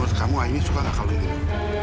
buat kamu aini suka gak kalung ini